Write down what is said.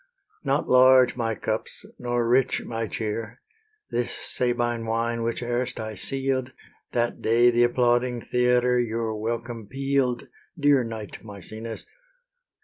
Not large my cups, nor rich my cheer, This Sabine wine, which erst I seal'd, That day the applauding theatre Your welcome peal'd, Dear knight Maecenas!